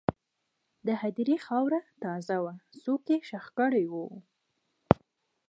د هدیرې خاوره تازه وه، څوک یې ښخ کړي وو.